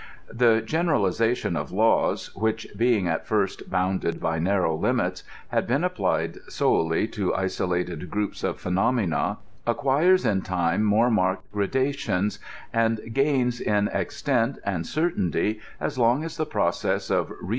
The generalization of laws, which, being at first bounded by narrow limits, had been applied solely to isolated groups of phenomena, acquires in time more marked gradations, and gains in extent and certainty as long as the process of reason * Aul.